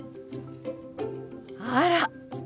あら！